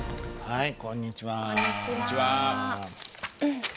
はい。